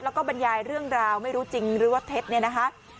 แล้วก็บรรยายเรื่องราวไม่รู้จริงหรือว่าเท็จ